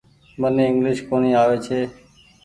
مني انگليش ڪونيٚ آوي ڇي۔